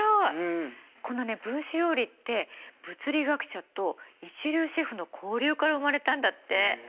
このね分子料理って物理学者と一流シェフの交流から生まれたんだって。